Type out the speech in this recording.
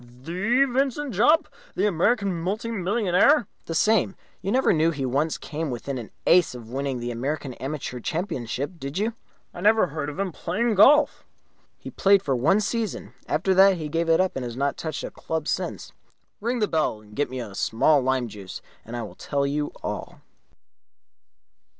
"The Vincent Jopp? The American multi millionaire?" "The same. You never knew he once came within an ace of winning the American Amateur Championship, did you?" "I never heard of his playing golf." "He played for one season. After that he gave it up and has not touched a club since. Ring the bell and get me a small lime juice, and I will tell you all."